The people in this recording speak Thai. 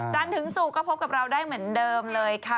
ถึงศุกร์ก็พบกับเราได้เหมือนเดิมเลยค่ะ